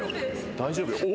大丈夫。